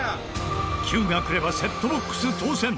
９がくればセットボックス当せん！